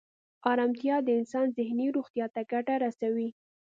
ارامتیا د انسان ذهني روغتیا ته ګټه رسوي.